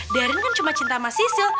darren kan cuma cinta sama sisil